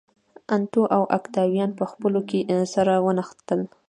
انتو او اوکتاویان په خپلو کې سره ونښتل.